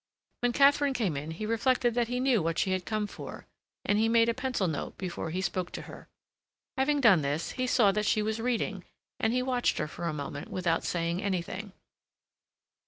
When Katharine came in he reflected that he knew what she had come for, and he made a pencil note before he spoke to her. Having done this, he saw that she was reading, and he watched her for a moment without saying anything.